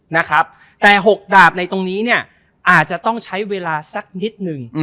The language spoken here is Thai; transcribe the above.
นะครับแต่หกดาบในตรงนี้เนี่ยอาจจะต้องใช้เวลาสักนิดหนึ่ง